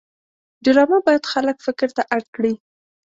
ډرامه باید خلک فکر ته اړ کړي